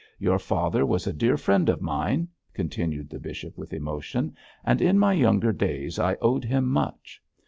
Your father was a dear friend of mine,' continued the bishop, with emotion, 'and in my younger days I owed him much.